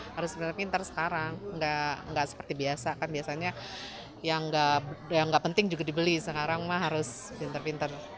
harus benar benar pinter sekarang nggak seperti biasa kan biasanya yang nggak penting juga dibeli sekarang mah harus pinter pinter